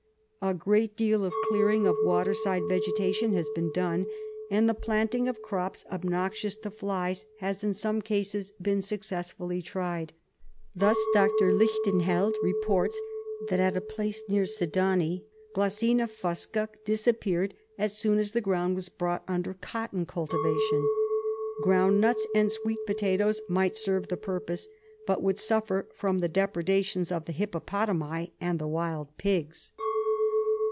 A great deal of clear ing of waterside vegetation has been done, and the planting of crops, obnoxious to flies, has, in some cases, been suc cessfully tried. Thus, Dr. Lichtenheld reports that at a place near Sadani, G. fusca disappeared as soon as the ground was brought under cotton cultivation. Ground nuts and sweet potatoes might serve the purj^ose, but would suffer from the depredations of the hippopotami and the wild pigs.